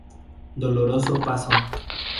Doloroso paso.